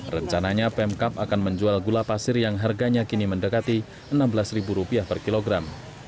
rencananya pemkap akan menjual gula pasir yang harganya kini mendekati rp enam belas per kilogram